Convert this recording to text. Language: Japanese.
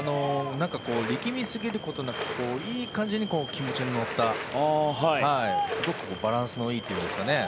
力みすぎることなくいい感じに気持ちの乗ったすごくバランスのいいというんですかね